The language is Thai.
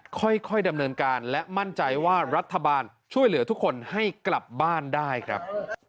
ค่อยดำเนินการและมั่นใจว่ารัฐบาลช่วยเหลือทุกคนให้กลับบ้านได้ครับ